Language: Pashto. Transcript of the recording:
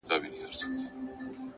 صادق زړه روښانه لاره غوره کوي،